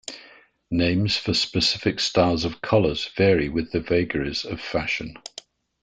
Names for specific styles of collars vary with the vagaries of fashion.